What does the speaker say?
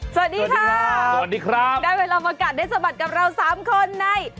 สวัสดีครับได้เวลามากัดได้สมัครกับเรา๓คนใน